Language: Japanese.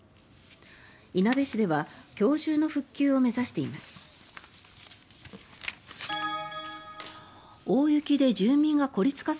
いなべ市では今日中の復旧を目指しています。